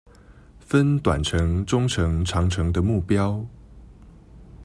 分短程中程長程的目標